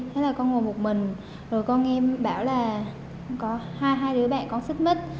thế là con ngồi một mình rồi con em bảo là có hai đứa bạn con xích mít